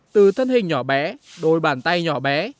từ thân hình nhỏ bé đôi bàn tay nhỏ bé